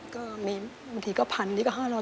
ก็มีบางทีก็๑๐๐นี่ก็๕๐๐